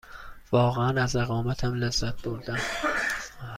واقعاً از اقامتم لذت بردم.